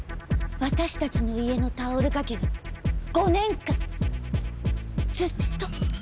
私たちの家のタオル掛けが５年間ずっと右が下がっ。